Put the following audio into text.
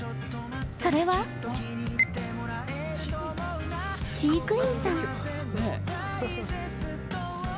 それは飼育員さん。